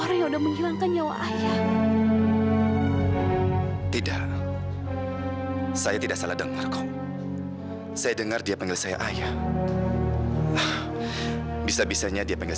aku tuh sebenernya cuma berniat baik